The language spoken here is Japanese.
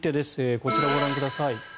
こちらご覧ください。